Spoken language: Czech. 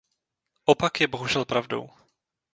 Opak je bohužel pravdou.